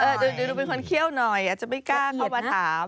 ดูเป็นคนเขี้ยวหน่อยอาจจะไม่กล้าเข้ามาถาม